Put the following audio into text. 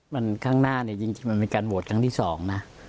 มันข้างหน้าเนี่ยจริงมันเป็นการโหวตครั้งที่๒นะ